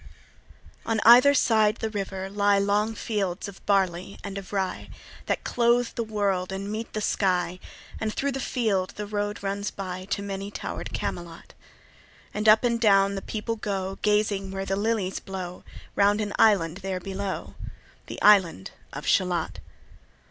On either side the river lie Long fields of barley and of rye, That clothe the wold and meet the sky; And thro' the field the road runs by To many tower'd Camelot; And up and down the people go, Gazing where the lilies blow Round an island there below, The island of Shalott.